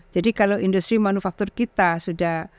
jadi kalau industri manufaktur kita sudah